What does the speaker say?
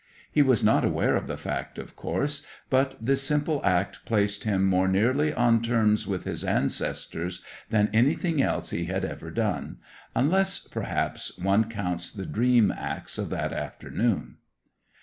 He was not aware of the fact, of course, but this simple act placed him more nearly on terms with his ancestors than anything else he had ever done, unless, perhaps, one counts the dream acts of that afternoon.